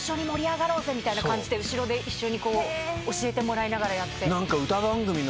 みたいな感じで後ろで一緒に教えてもらいながらやって。